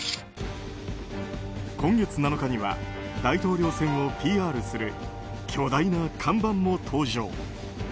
今月７日には大統領選をＰＲする巨大な看板も登場。